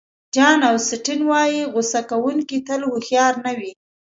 جان اوسټین وایي غوصه کوونکي تل هوښیار نه وي.